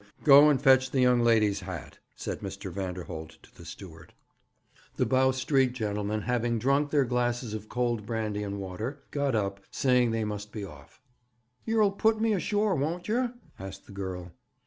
'Go and fetch the young lady's hat,' said Mr. Vanderholt to the steward. The Bow Street gentlemen, having drunk their glasses of cold brandy and water, got up, saying they must be off. 'Yer'll put me ashore, won't yer?' asked the girl.